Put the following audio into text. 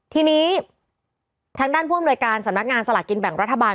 ทีนี้ทางด้านผู้อำนวยการสำนักงานสลากกินแบ่งรัฐบาล